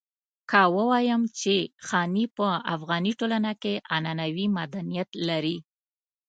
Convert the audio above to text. که ووايم چې خاني په افغاني ټولنه کې عنعنوي مدنيت لري.